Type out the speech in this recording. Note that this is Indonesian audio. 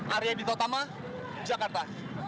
arya dito tama jakarta